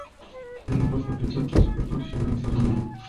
El a fost apreciat ca jucător și vrem să rămână.